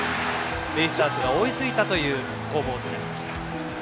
ベイスターズが追いついたという攻防になりました。